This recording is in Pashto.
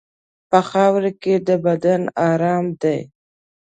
په خاوره کې د بدن ارام دی.